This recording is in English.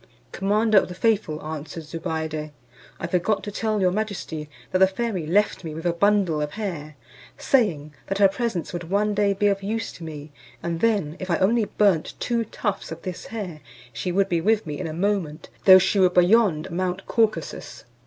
"Commander of the faithful," answered Zobeide, "I forgot to tell your majesty that the fairy left with me a bundle of hair, saying, that her presence would one day be of use to me; and then, if I only burnt two tufts of this hair, she would be with me in a moment, though she were beyond mount Caucasus."